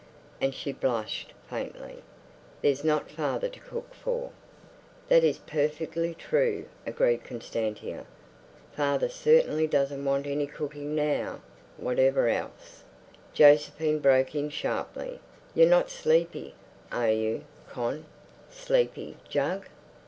And she blushed faintly. "There's not father to cook for." "That is perfectly true," agreed Constantia. "Father certainly doesn't want any cooking now, whatever else—" Josephine broke in sharply, "You're not sleepy, are you, Con?" "Sleepy, Jug?"